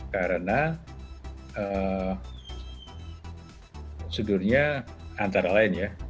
karena prosedurnya antara lain ya